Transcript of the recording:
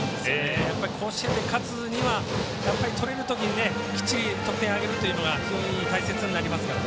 甲子園で勝つには取れるときにきっちり得点を挙げるというのが非常に大切になりますから。